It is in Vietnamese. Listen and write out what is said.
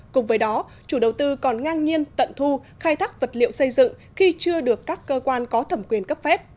cùng với đó chủ đầu tư còn ngang nhiên tận thu khai thác vật liệu xây dựng khi chưa được các cơ quan có thẩm quyền cấp phép